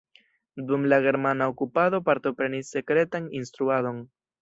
Dum la germana okupado partoprenis sekretan instruadon.